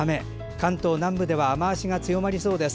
関東南部では、雨足が強まりそうです。